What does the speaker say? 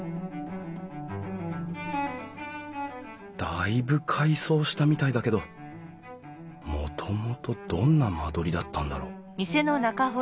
だいぶ改装したみたいだけどもともとどんな間取りだったんだろう？